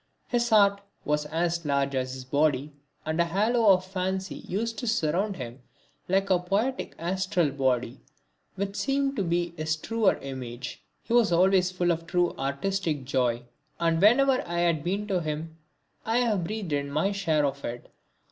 His heart was as large as his body, and a halo of fancy used to surround him like a poetic astral body which seemed to be his truer image. He was always full of true artistic joy, and whenever I have been to him I have breathed in my share of it.